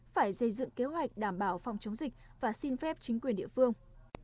phải xây dựng kế hoạch đảm bảo phòng chống dịch và xin phép chính quyền địa phương